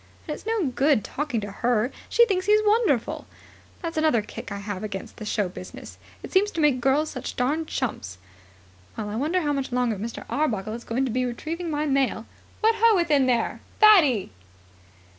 And it's no good talking to her; she thinks he's wonderful. That's another kick I have against the show business. It seems to make girls such darned chumps. Well, I wonder how much longer Mr. Arbuckle is going to be retrieving my mail. What ho, within there, Fatty!"